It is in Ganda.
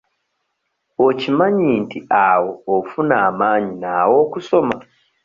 Okimanyi nti awo ofuna amaanyi naawe okusoma?